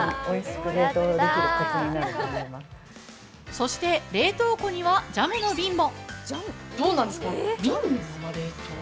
そして、冷凍庫にはジャムの瓶も。